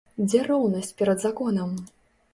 Дзе роўнасць перад законам?